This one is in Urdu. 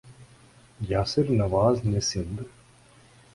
یاسر نواز نے سند